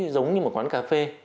giống như một quán cà phê